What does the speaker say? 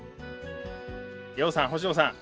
洋さん星野さん